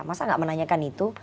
masa nggak menanyakan itu